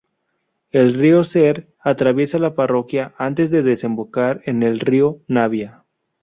El río Ser atraviesa la parroquia antes de desembocar en el río Navia.